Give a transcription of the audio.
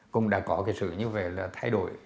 cũng đã có cái sự như vậy là thay đổi